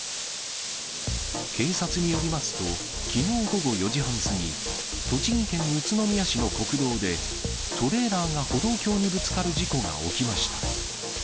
警察によりますと、きのう午後４時半過ぎ、栃木県宇都宮市の国道で、トレーラーが歩道橋にぶつかる事故が起きました。